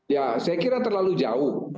ya saya kira terlalu jauh